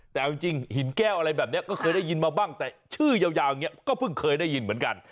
แต่เอาจริงหินแก้วอะไรแบบนี้ก็เคยได้ยินมาบ้างแต่ชื่อยาวอย่างนี้ก็เพิ่งเคยได้ยินเหมือนกัน